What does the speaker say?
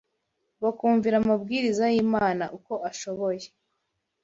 bakumvira amabwiriza y’Imana uko ashoboye